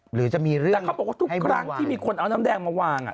หรือจะมีเรื่องทุกครั้งที่มีคนเอาน้ำแดงมาวาง